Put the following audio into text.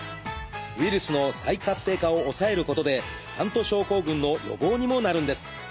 ウイルスの再活性化を抑えることでハント症候群の予防にもなるんです。